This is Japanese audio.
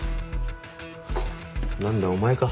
何だお前か。